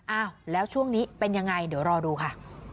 อ้าวแล้วช่วงนี้เป็นยังไงเดี๋ยวรอดูค่ะ